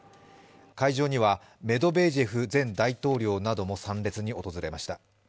会場にはメドベージェフ前大統領なども参列に訪れました。